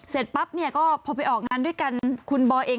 เสร็จปั๊บพอไปออกงานด้วยกัน